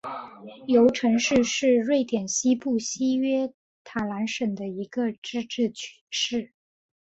尤城市是瑞典西部西约塔兰省的一个自治市。